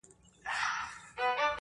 چي یو غټ سي د پنځو باندي یرغل سي!!